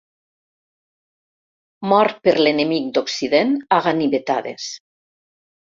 Mort per l'enemic d'Occident a ganivetades.